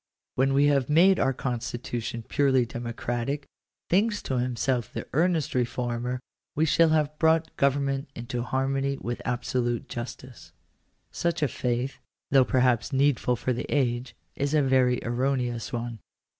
When we have made our constitution purely democratic, thinks to himself the earnest reformer, we shall have brought government into harmony with absolute justice. Such a faith, though perhaps needful for the age, is a very erroneous one.